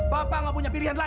position hadir dirinya